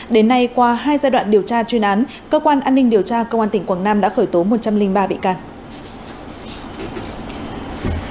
đến nay qua hai giai đoạn điều tra chuyên án cơ quan an ninh điều tra công an tỉnh quảng nam đã khởi tố một trăm linh ba bị can